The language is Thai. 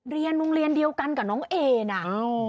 เรียนโรงเรียนเดียวกันกับน้องเอน่ะ